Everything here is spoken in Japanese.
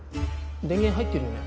電源入ってるよね。